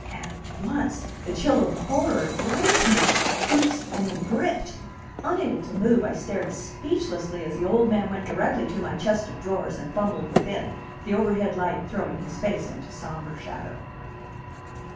At once the chill of horror griped me. Oops, I mean gripped!! Unable to move, I stared speechlessly as the old man went directly to my chest of drawers and fumbled within, the overhead light throwing his face into sombre shadow.